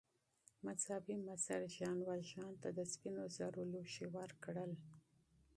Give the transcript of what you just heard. مذهبي مشر ژان والژان ته د سپینو زرو لوښي ورکړل.